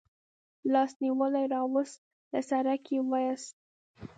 لاس نیولی راوست، له سړک یې و ایست.